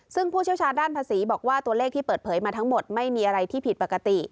ซึ่งผู้เชี่ยวชาญด้านภาษีบอกว่าตัวเลขที่เปิดเผยมาทั้งหมดไม่มีอะไรที่ผิดปกติ